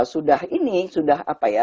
sudah ini sudah apa ya